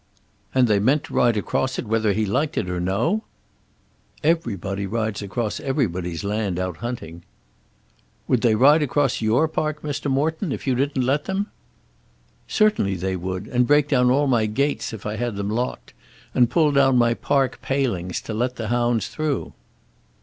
"And they meant to ride across it whether he liked it or no?" "Everybody rides across everybody's land out hunting." "Would they ride across your park, Mr. Morton, if you didn't let them?" "Certainly they would, and break down all my gates if I had them locked, and pull down my park palings to let the hounds through."